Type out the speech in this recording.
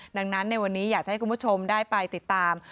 ดังนั้นในวันนี้อยากจะให้คุณผู้ชมได้ไปติดตาม